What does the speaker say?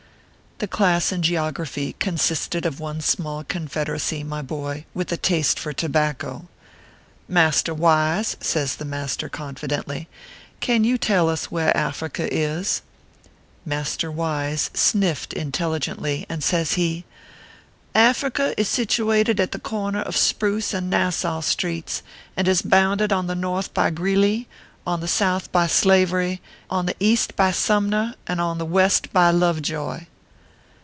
The class in geography consisted of one small Southern Confederacy, my boy, with a taste for tobacco. " Master Wise," says the master, confidently, " can you tell us where Africa is ?" Master Wise sniffed intelligently, and says he :" Africa is situated at the corner of Spruce and Nassau streets, and is bounded on the north by Greeley, on the south by Slavery, on the east by Sumncr, and on the west by Lovejoy."